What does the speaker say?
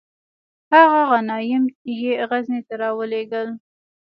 هغه غنایم یې غزني ته را ولیږدول.